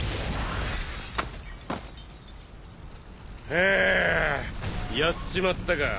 はぁやっちまったか。